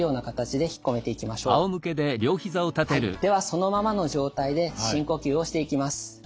そのままの状態で深呼吸をしていきます。